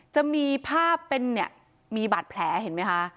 จะมีภาพเป็นเนี่ยมีบาดแผลเห็นไหมคะ